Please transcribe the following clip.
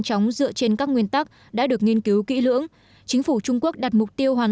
chóng dựa trên các nguyên tắc đã được nghiên cứu kỹ lưỡng chính phủ trung quốc đặt mục tiêu hoàn